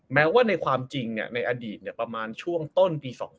แม้ว่าในความจริงเนี่ยในอดีตเนี่ยประมาณช่วงต้นปี๒๐๐๐